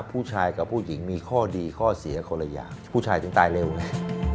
ผู้ชายกับผู้หญิงมีข้อดีข้อเสียคนละอย่างผู้ชายถึงตายเร็วไง